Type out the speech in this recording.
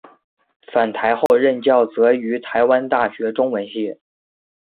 返台后任教则于台湾大学中文系。